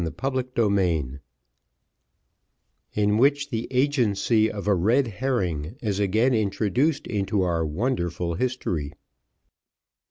Chapter XXXV In which the agency of a red herring is again introduced into our wonderful history.